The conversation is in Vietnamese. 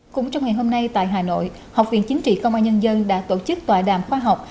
cũng trong ngày hôm nay tại hà nội học viện chính trị công an nhân dân đã tổ chức tòa đàm khoa học